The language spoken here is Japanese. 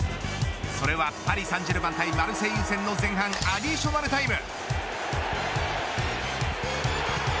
それはパリ・サンジェルマン対マルセイユ戦の前半アディショナルタイム。